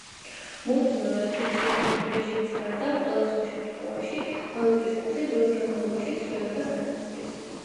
მუდმივად ფიქსირებული რეჟიმის გარდა ყველა სხვა შემთხვევაში ვალუტის კურსი დროის განმავლობაში ცვლილებას განიცდის.